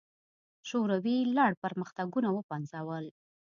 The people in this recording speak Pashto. شوروي لړ پرمختګونه وپنځول.